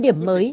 điều này là